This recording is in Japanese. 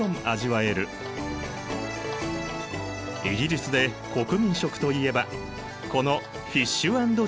イギリスで国民食といえばこのフィッシュ＆チップスなのだ！